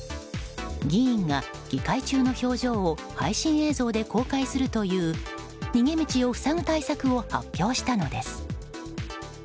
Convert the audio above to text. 議員が議会中の表情を配信映像で公開するという逃げ道を塞ぐ対策を発表したのです。